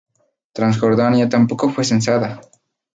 Transjordania tampoco fue censada.